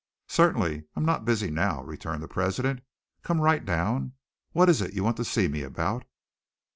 "Certainly. I'm not busy now," returned the president. "Come right down. What is it you want to see me about?"